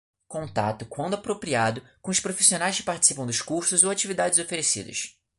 Contato, quando apropriado, com os profissionais que participam dos cursos ou atividades oferecidas.